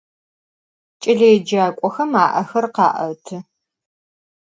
Ç'eleêcak'oxem a'exer kha'etı.